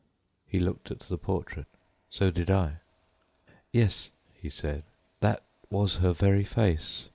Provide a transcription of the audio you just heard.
He looked at the portrait. So did I. "Yes," he said, "that was her very face.